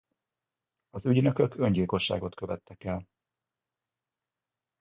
Az ügynökök öngyilkosságot követtek el.